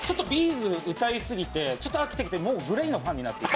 ’ｚを歌いすぎてちょっと飽きてきてもうＧＬＡＹのファンになってる。